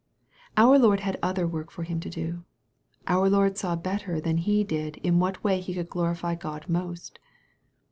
Our Lord had other work for him to do. Our Lord saw better than he did in what way he could glorify God most.